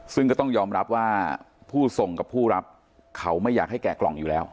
ซึ่งก็ต้องยอมรับว่าผู้ส่งกับผู้รับเขาไม่อยากให้แกะกล่องอยู่แล้ว